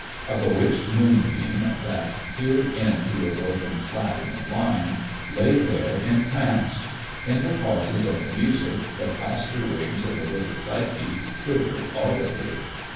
A bewitched moonbeam that peered in through a broken slat in the blind lay there entranced. In the pauses of the music the plaster wings of the little Psyche quivered audibly.